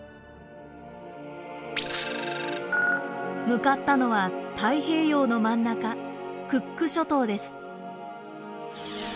向かったのは太平洋の真ん中クック諸島です。